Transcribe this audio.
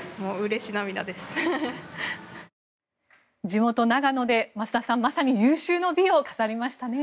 地元・長野で増田さんまさに有終の美を飾りましたね。